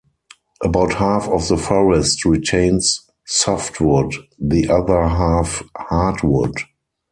About half of the forest retains softwood, the other half hardwood.